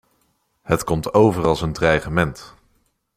Het komt over als een dreigement.